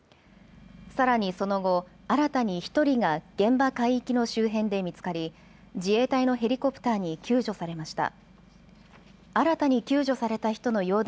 さらにその後、新たに１人が現場海域の周辺で見つかり自衛隊のヘリコプターに救助されました。